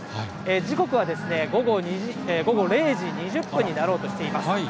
時刻は午後０時２０分になろうとしています。